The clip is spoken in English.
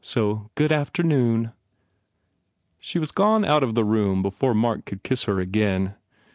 So, good afternoon." She was gone out of the room before Mark could kiss her again.